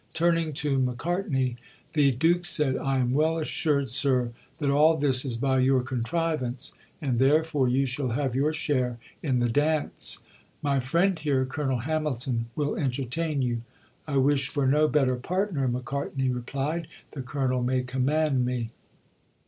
Turning to Macartney, the Duke said: "I am well assured, sir, that all this is by your contrivance, and therefore you shall have your share in the dance; my friend here, Colonel Hamilton, will entertain you." "I wish for no better partner," Macartney replied; "the Colonel may command me."